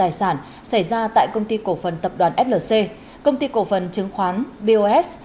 tài sản xảy ra tại công ty cổ phần tập đoàn flc công ty cổ phần chứng khoán bos